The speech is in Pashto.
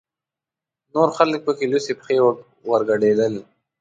نور خلک پکې لوڅې پښې ورګډېدل.